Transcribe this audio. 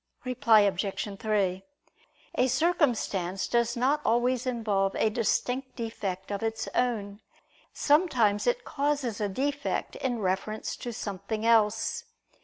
Reply Obj. 3: A circumstance does not always involve a distinct defect of its own; sometimes it causes a defect in reference to something else.